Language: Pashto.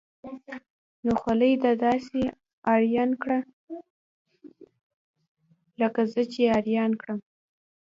نو خولي ده داسې اریان کړه لکه زه چې اریان کړم.